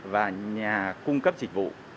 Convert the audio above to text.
và nhà cung cấp dịch vụ